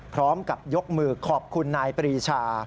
พร้อมกับยกมือขอบคุณนายปรีชา